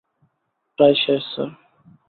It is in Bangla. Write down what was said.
প্রায় শেষ, স্যার।